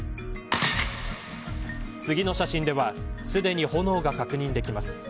次の写真ではすでに炎が確認できます。